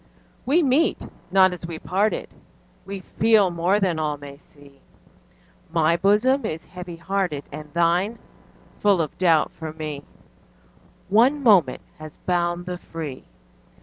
We meet not as we parted, We feel more than all may see; My bosom is heavy hearted, And thine full of doubt for me: One moment has bound the free.